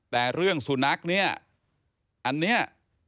แต่เรื่องสุนัขเนี่ยอันนี้